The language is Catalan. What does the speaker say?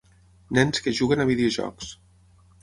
Nens que juguen a videojocs.